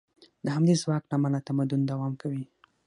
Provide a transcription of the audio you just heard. د همدې ځواک له امله تمدن دوام کوي.